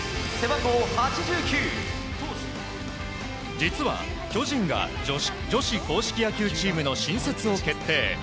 実は巨人が女子硬式野球チームの新設を決定。